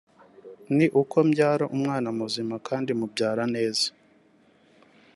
ni uko mbyara umwana muzima kandi mu byara neza